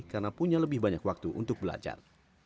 karena punya lebih banyak waktu untuk belajar